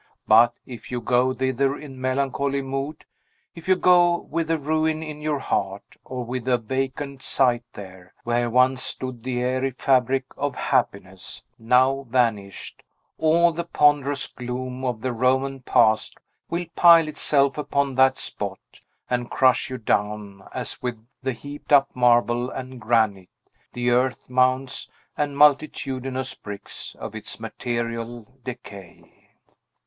But, if you go thither in melancholy mood, if you go with a ruin in your heart, or with a vacant site there, where once stood the airy fabric of happiness, now vanished, all the ponderous gloom of the Roman Past will pile itself upon that spot, and crush you down as with the heaped up marble and granite, the earth mounds, and multitudinous bricks of its material decay.